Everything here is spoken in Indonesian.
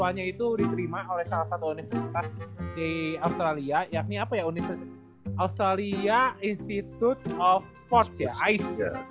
apalagi ya belum peres